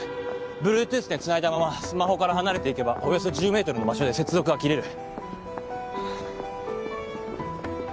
Ｂｌｕｅｔｏｏｔｈでつないだままスマホから離れていけばおよそ１０ｍの場所で接続が切れる。